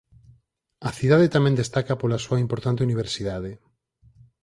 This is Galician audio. A cidade tamén destaca pola súa importante universidade.